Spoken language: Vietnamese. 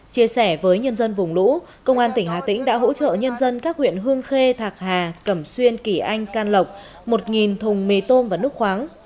chia sẻ với nhân dân vùng lũ công an tỉnh hà tĩnh đã hỗ trợ nhân dân các huyện hương khê thạc hà cẩm xuyên kỳ anh can lộc một thùng mì tôm và nước khoáng